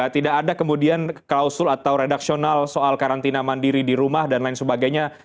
tidak ada kemudian klausul atau redaksional soal karantina mandiri di rumah dan lain sebagainya